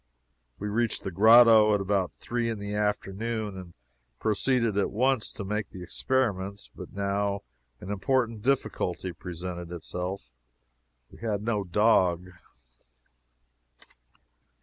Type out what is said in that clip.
We reached the grotto at about three in the afternoon, and proceeded at once to make the experiments. But now, an important difficulty presented itself. We had no dog.